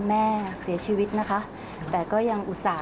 เพราะฉะนั้นไปได้รับจดหมายชอบแรกคือวันที่๒๔นะครับ